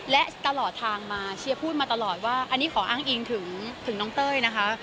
และตลอดทางมาเชียร์พูดมาตลอดว่าอันนี้ขออ้างอิงถึงน้องเต้ยนะคะ